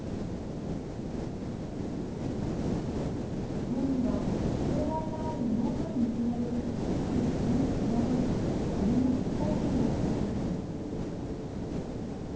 絵本には、障害がある妹に向けられる周囲の視線に戸惑う姉の実体験が描かれています。